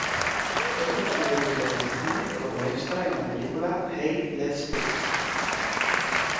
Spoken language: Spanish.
Hizo su debut en el cine como extra en la película "Hey, Let's Twist!